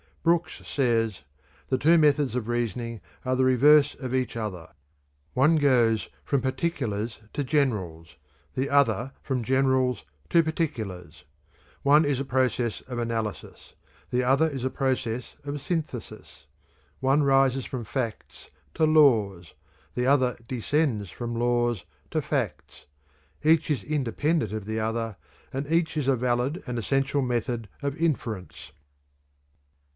Brooks says: "The two methods of reasoning are the reverse of each other. One goes from particulars to generals; the other from generals to particulars. One is a process of analysis; the other is a process of synthesis. One rises from facts to laws; the other descends from laws to facts. Each is independent of the other, and each is a valid and essential method of inference."